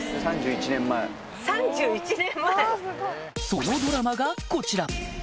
そのドラマがこちら！